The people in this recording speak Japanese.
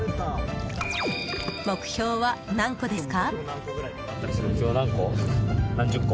目標は何個ですか？